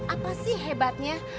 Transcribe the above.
apa sih hebatnya